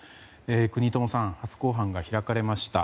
國友さん初公判が開かれました。